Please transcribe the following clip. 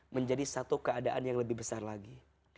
menjadi satu keadaan yang lebih besar lagi